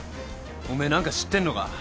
おめえ何か知ってんのか？